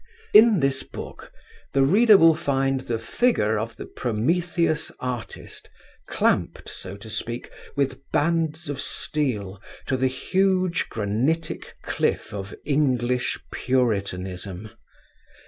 In this book the reader will find the figure of the Prometheus artist clamped, so to speak, with bands of steel to the huge granitic cliff of English puritanism.